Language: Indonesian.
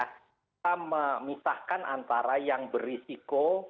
kita memisahkan antara yang berisiko